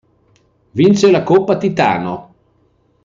Vince la Coppa Titano.